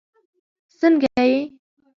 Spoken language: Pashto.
سنګه یی